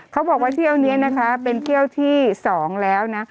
เขาบอกว่าเที่ยวนี้นะคะเป็นเที่ยวที่๒แล้วนะ